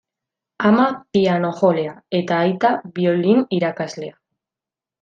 Ama piano-jolea eta aita biolin irakaslea.